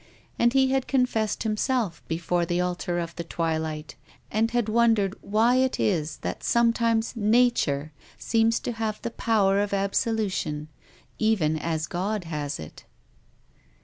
And he had confessed himself, before the altar of the twilight, and had wondered why it is that some times Nature seems to have the power of absolu tion, even as God has it.